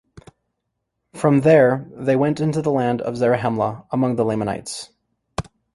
From there, they went into the land of Zarahemla, among the Lamanites.